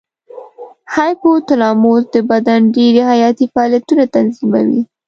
هایپو تلاموس د بدن ډېری حیاتي فعالیتونه تنظیموي.